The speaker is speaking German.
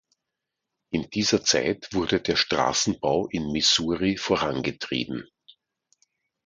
In dieser Zeit wurde der Straßenbau in Missouri vorangetrieben.